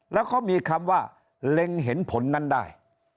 แล้วเขามีคำว่าเล็งเห็นผลนั้นได้